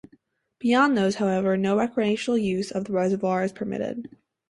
Beyond those, however, no recreational use of the reservoir is permitted.